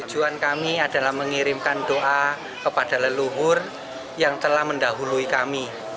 tujuan kami adalah mengirimkan doa kepada leluhur yang telah mendahului kami